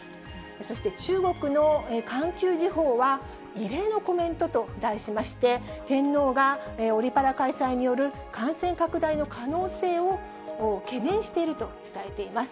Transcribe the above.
そして中国の環球時報は、異例のコメントと題しまして、天皇がオリパラ開催による感染拡大の可能性を懸念していると伝えています。